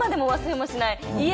今でも忘れもしない。